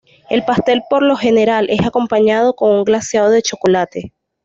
El pastel por lo general es acompañado por un glaseado de chocolate.